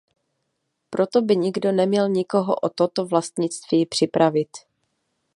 Proto by nikdo neměl nikoho o toto vlastnictví připravit.